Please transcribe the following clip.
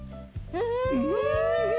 うん！